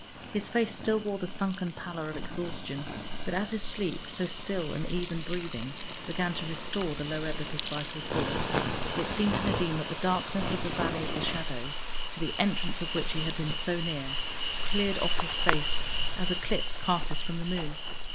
His face still wore the sunken pallor of exhaustion, but as his sleep, so still and even breathing, began to restore the low ebb of his vital force, it seemed to Nadine that the darkness of the valley of the shadow, to the entrance of which he had been so near, cleared off his face as eclipse passes from the moon.